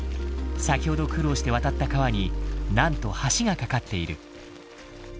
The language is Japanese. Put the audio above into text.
先ほど苦労して渡った川になんと橋が架かっている。